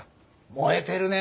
燃えてるね。